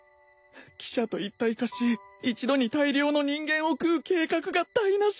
汽車と一体化し一度に大量の人間を喰う計画が台無しだ